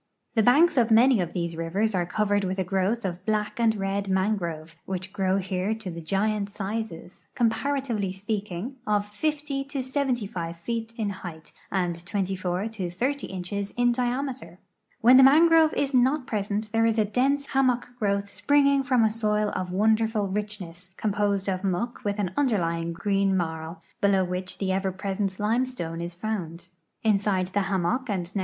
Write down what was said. The hanks of many of these rivers are covered with a growth of black and red mangrove, which grow here to the giant sizes, comparatively speaking, of 50 to 75 feet in height and 24 to ffO inches in diame ter. W hen the mangrove is not present there is a dense hammock growth springing IVom a soil of wonderful richness, composed of muck with an underlying green marl, below which the cver ])resent limestone is found. Inside thi! hammock and nc.